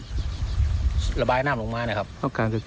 คือสิ่งแบบนี้ต้องบอกว่าเขาเอาชีวิตครอบครัวเขามาแลกเลยนะคะ